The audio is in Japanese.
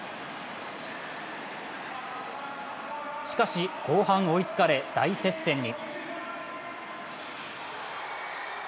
しかし、後半追いつかれ大接戦に。